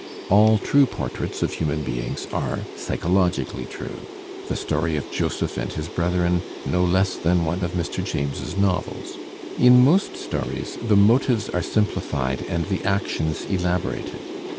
All true portraits of human beings are psychologically true, the story of Joseph and his brethren, no less than one of Mr. James's novels. In most stories the motives are simplified and the actions elaborated.